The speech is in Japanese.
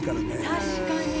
「確かに。